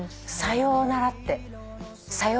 「さようなら」って。